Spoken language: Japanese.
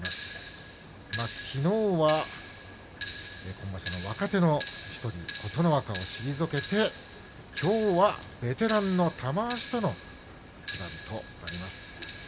きのうは今場所の若手の１人琴ノ若を退けてきょうはベテランの玉鷲との一番ということになります。